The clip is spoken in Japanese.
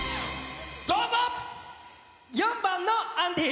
４番のアンディー。